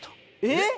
えっ！？